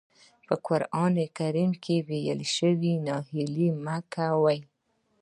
په قرآن کريم کې ويل شوي ناهيلي مه کوئ.